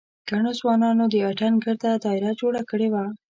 ګڼو ځوانانو د اتڼ ګرده داېره جوړه کړې وه.